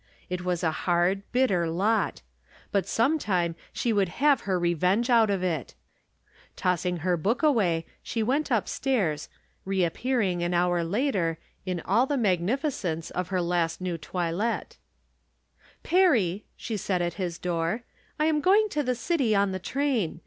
It was a hard, bitter lot ; but sometime she would have her re venge out of it ! Tossing her book away, she went up stairs, reappearing, an hour later, in all the magnificence of her last new toilet. " Perry," she said at his door, " I am going to the city on the train.